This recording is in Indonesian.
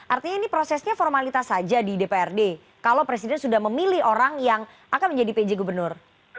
artinya ini prosesnya formalitas saja di dprd kalau presiden sudah memilih orang yang akan menjadi pj gubernur